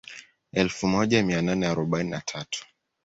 Elfu moja mia nane arobaini na tatu